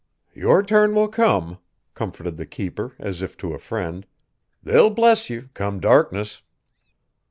"Your turn will come!" comforted the keeper as if to a friend, "they'll bless ye, come darkness!"